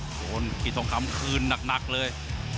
โอ้โหนี่กินทองคำคืนนักเลย